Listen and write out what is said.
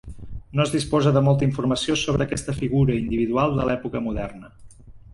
No es disposa de molta informació sobre aquesta figura individual de l'època moderna.